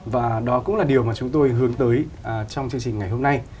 và đó cũng là điều mà chúng tôi hướng tới trong chương trình ngày hôm nay